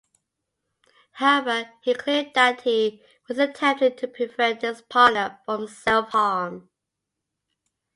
However he claimed that he was attempting to prevent his partner from self-harm.